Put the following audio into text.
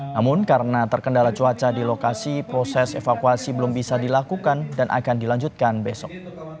namun karena terkendala cuaca di lokasi proses evakuasi belum bisa dilakukan dan akan dilanjutkan besok